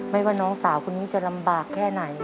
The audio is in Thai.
ว่าน้องสาวคนนี้จะลำบากแค่ไหน